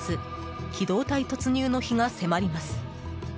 機動隊突入の日が迫ります。